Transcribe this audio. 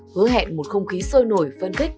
hứa hẹn một không khí sôi nổi phân khích